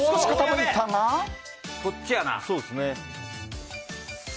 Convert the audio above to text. こっちやな。